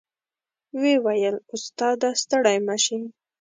وې ویل استاد ه ستړی مه شې.